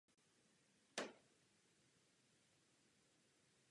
Poslední léta života prožil ve Vídni a Benátkách.